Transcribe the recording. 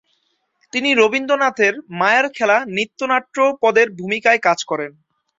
তিনি রবীন্দ্রনাথের "মায়ার খেলা" নৃত্য-নাট্যে পদ্মের ভূমিকায় কাজ করেন।